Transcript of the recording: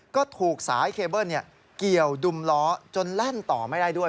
ก็ถูกสายเคเบิ้ลเกี่ยวดุมล้อจนแล่นต่อไม่ได้ด้วย